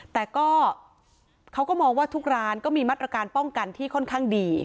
แต่ก็เขาก็มองว่าทุกร้านก็มีมาตรการป้องกันที่ค่อนข้างดี